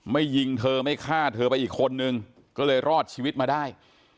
ยิงเธอไม่ฆ่าเธอไปอีกคนนึงก็เลยรอดชีวิตมาได้